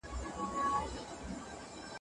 ښایست په سپېرو خاورو باندې غوړېږي.